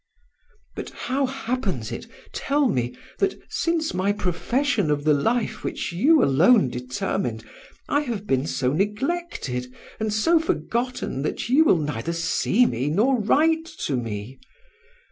But how happens it, tell me, that since my profession of the life which you alone determined, I have been so neglected and so forgotten that you will neither see me nor write to me?